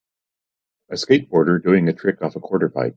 A skateboarder doing a trick off a quarter pipe.